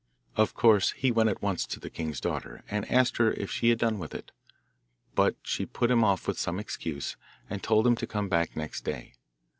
Of course, he went at once to the king's daughter, and asked her if she had done with it, but she put him off with some excuse, and told him to come back next day.